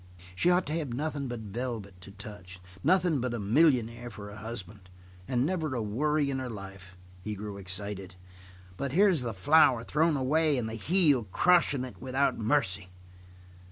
She ought to have nothing but velvet to touch nothing but a millionaire for a husband, and never a worry in her life." He grew excited. "But here's the flower thrown away and the heel crushing it without mercy."